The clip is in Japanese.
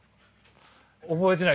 覚えてない？